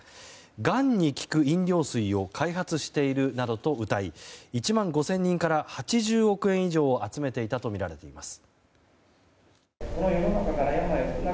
がんに効く飲料水を開発しているなどとうたい１万５０００人から８０億円以上を集めていたとみられています。